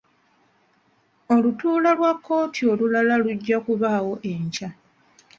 Olutuula lwa kkooti olulala lujja kubaawo enkya.